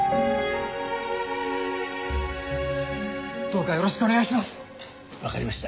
どうかよろしくお願いします！